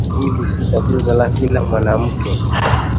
Hili si tatizo la kila mwanamke